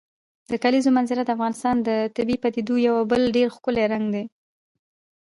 د کلیزو منظره د افغانستان د طبیعي پدیدو یو بل ډېر ښکلی رنګ دی.